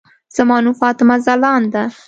زما نوم فاطمه ځلاند ده.